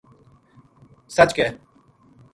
سَچ ک